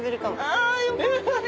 あよかったね